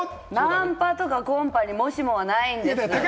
ナンパとかコンパに、もしもはないんです。